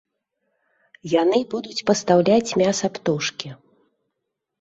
Яны будуць пастаўляць мяса птушкі.